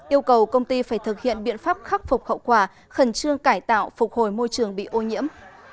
yêu cầu công ty phải thực hiện biện pháp khắc phục hậu quả khẩn trương cải tạo phục hồi môi trường bị ô nhiễm